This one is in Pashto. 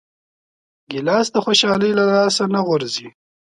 ګیلاس د خوشحالۍ له لاسه نه غورځي.